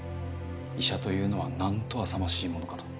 医者というのはなんとあさましいものかと。